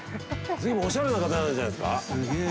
ずいぶんおしゃれな方なんじゃないですか。